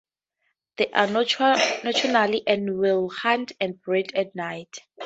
They are nocturnal, and will hunt and breed at night.